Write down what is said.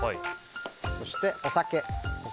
そして、お酒。